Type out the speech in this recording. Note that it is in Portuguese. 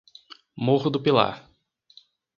Morro do Pilar